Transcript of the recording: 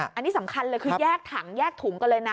อันนี้สำคัญเลยคือแยกถังแยกถุงกันเลยนะ